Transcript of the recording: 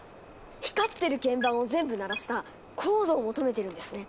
光ってる鍵盤を全部鳴らしたコードを求めてるんですね！